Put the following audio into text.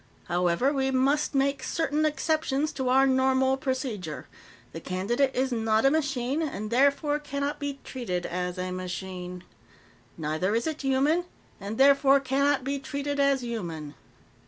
"However, we must make certain exceptions to our normal procedure. The candidate is not a machine, and therefore cannot be treated as a machine. Neither is it human, and therefore cannot be treated as human.